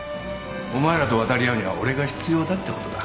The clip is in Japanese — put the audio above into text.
お前らと渡り合うには俺が必要だってことだ。